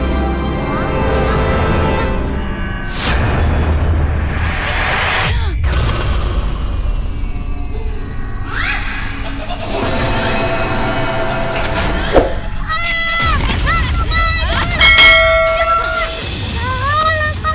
lepaskan lepaskan lepaskan